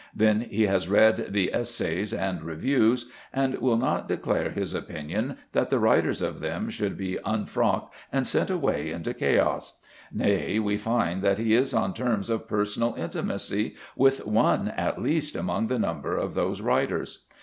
Then he has read the Essays and Reviews, and will not declare his opinion that the writers of them should be unfrocked and sent away into chaos; nay, we find that he is on terms of personal intimacy with one at least among the number of those writers.